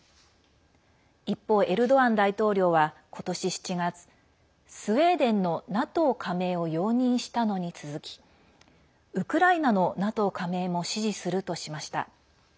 一方、エルドアン大統領は今年７月スウェーデンのＮＡＴＯ加盟を容認したのに続きウクライナのＮＡＴＯ加盟も支持するとしました。